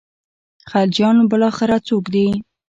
خلجیان بالاخره څوک دي.